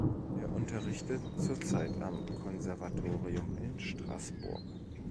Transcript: Er unterrichtet zurzeit am Konservatorium in Straßburg.